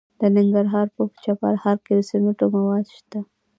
د ننګرهار په چپرهار کې د سمنټو مواد شته.